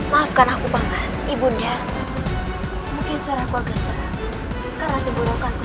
maafkan aku banget ibu dan mungkin suara kuaget karena keburukanku